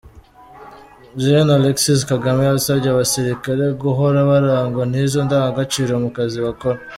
Gen Alexis Kagame yasabye abasirikare guhora barangwa n’izo ndangagaciro mu kazi bakora.